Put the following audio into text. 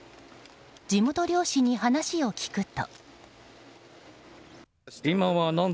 地元漁師に話を聞くと。